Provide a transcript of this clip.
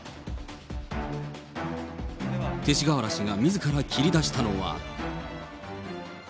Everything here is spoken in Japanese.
勅使河原氏がみずから切り出したのは。